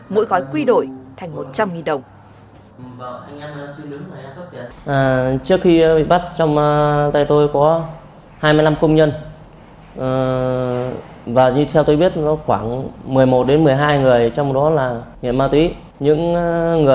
mỗi gói quy đổi thành một trăm linh đồng